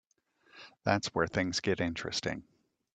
That's where things get interesting.